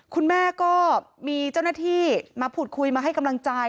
คุณแม่ก็มีเจ้าหน้าที่มาพูดคุยมาให้กำลังใจ